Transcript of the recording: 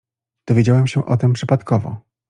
"Dowiedziałem się o tem przypadkowo."